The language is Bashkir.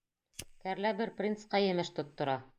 Кәрлә бер принцҡа емеш тоттора.